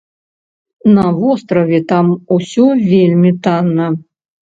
На востраве там усё вельмі танна.